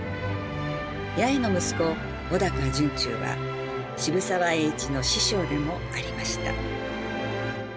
やへの息子・尾高惇忠は渋沢栄一の師匠でもありました。